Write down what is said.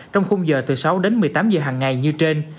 trong khung giờ từ sáu đến một mươi tám giờ hàng ngày như trên